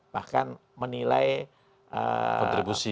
bahkan menilai pak lukman